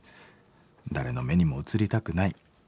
誰の目にも映りたくない。